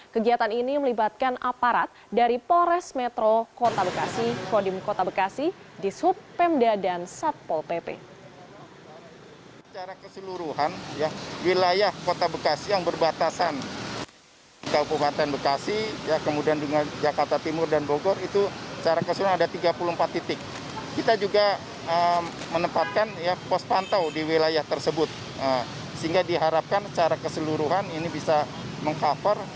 kegiatan ini melibatkan aparat dari polres metro kota bekasi kodim kota bekasi disub pemda dan satpol pp